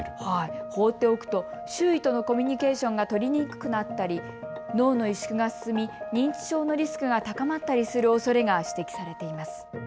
ほうっておくと周囲とのコミュニケーションが取りにくくなったり脳の萎縮が進み認知症のリスクが高まったするおそれが指摘されています。